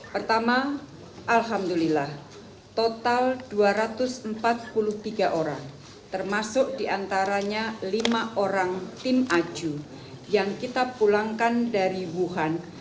pertama alhamdulillah total dua ratus empat puluh tiga orang termasuk diantaranya lima orang tim aju yang kita pulangkan dari wuhan